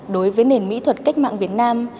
đối với nền mỹ thuật cách mạng việt nam